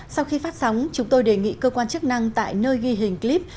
sau khi phát sóng chúng tôi đề nghị cơ quan chức năng tại nơi ghi hình clip